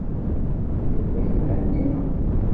D baba-k Mhenni.